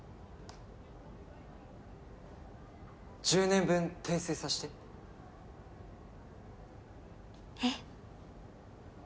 １０年分訂正させてえっ？